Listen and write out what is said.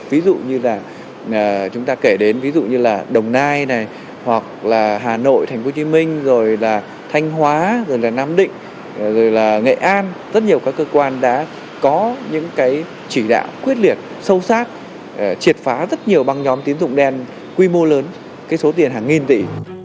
ví dụ như là đồng nai hà nội tp hcm thanh hóa nam định nghệ an rất nhiều các cơ quan đã có những chỉ đạo quyết liệt sâu sắc triệt phá rất nhiều băng nhóm tín dục đen quy mô lớn số tiền hàng nghìn tỷ